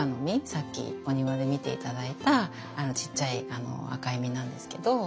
さっきお庭で見て頂いたちっちゃい赤い実なんですけど。